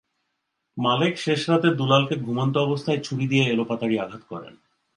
মালেক শেষ রাতে দুলালকে ঘুমন্ত অবস্থায় ছুরি দিয়ে এলোপাতাড়ি আঘাত করেন।